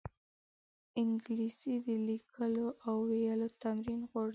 انګلیسي د لیکلو او ویلو تمرین غواړي